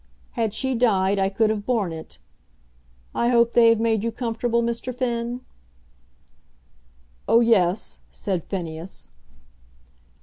Had she died I could have borne it. I hope they have made you comfortable, Mr. Finn?" "Oh, yes," said Phineas.